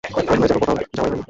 মনে হয় যেন কোথাও যাওয়াই হয়নি।